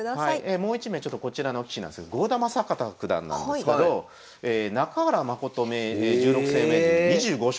もう一枚こちらの棋士なんですが郷田真隆九段なんですけど中原誠十六世名人に２５勝６敗。